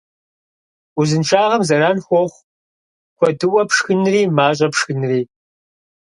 Узыншагъэм зэран хуохъу куэдыӀуэ пшхынри мащӀэ пшхынри.